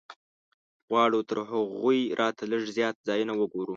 غواړو تر هغوی راتګه لږ زیات ځایونه وګورو.